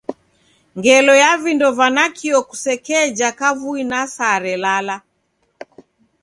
Ngelo ya vindo va nakio kusekeja kavui na saa relala.